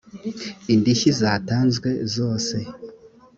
indishyi zatanzwe zose